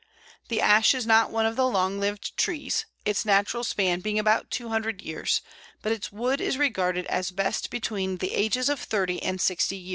The Ash is not one of the long lived trees, its natural span being about two hundred years, but its wood is regarded as best between the ages of thirty and sixty years.